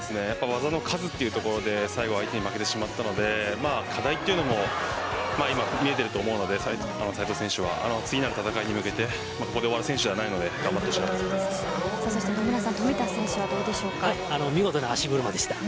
技の数というところで相手に負けてしまったので課題も見えていると思うので斉藤選手は次の戦いに向けてここで終わる選手ではないので冨田選手はいかがですか。